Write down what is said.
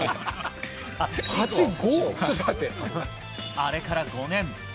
あれから５年。